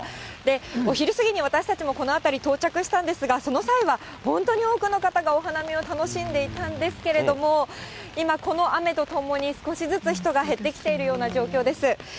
お昼過ぎに、私たちもこの辺り到着したんですが、その際は本当に多くの方がお花見を楽しんでいたんですけれども、今、この雨とともに少しずつ人が減ってきているような状況です。